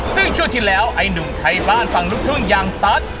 ซึ่งช่วงที่แล้วไอ้หนุ่มไทยบ้านฝั่งลูกทุ่งอย่างตั๊ด